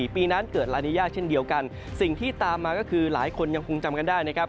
ปีนั้นเกิดลานิยาเช่นเดียวกันสิ่งที่ตามมาก็คือหลายคนยังคงจำกันได้นะครับ